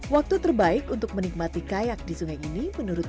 waktu terbaik untuk menikmati kayak di sungai ini menurut